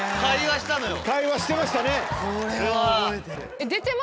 会話してましたね。